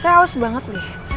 saya haus banget deh